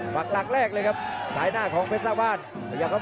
พักรักแรกเลยครับสายหน้าของเพชรสร้างบ้าน